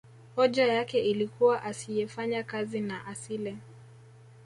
hoja yake ilikuwa asiyefanya kazi na asile